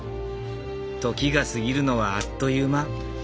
時が過ぎるのはあっという間。